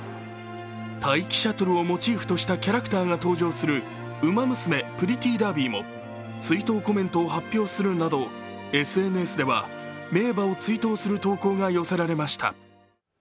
タイキシャトルをモチーフとしたキャラクターが登場する「ウマ娘」でも追悼コメントを発表するなど、ＳＮＳでは名馬を追悼する投稿が寄せられました。